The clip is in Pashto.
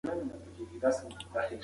مسلکیتوب د ستونزو د حل مهمه لار ده.